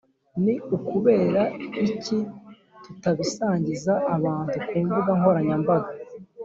Ni ukubera iki tutabisangiza abantu ku mbuga nkoranyambaga